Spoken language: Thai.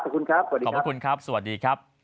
ครับขอบคุณครับสวัสดีครับ